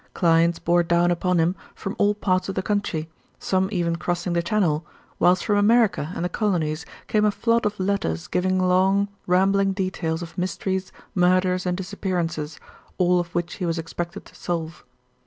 Clients bore down upon him from all parts of the country; some even crossing the Channel, whilst from America and the Colonies came a flood of letters giving long, rambling details of mysteries, murders and disappearances, all of which he was expected to solve.